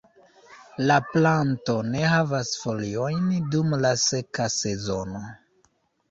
La planto ne havas foliojn dum la seka sezono.